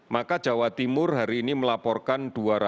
maka jawa timur hari ini melaporkan dua ratus sembilan puluh dua